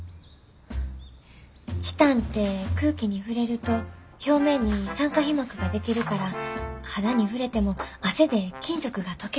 チタンって空気に触れると表面に酸化皮膜が出来るから肌に触れても汗で金属が溶けへん。